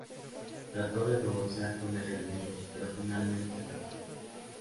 Trató de negociar con el enemigo, pero finalmente fracasó.